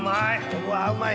うわうまい！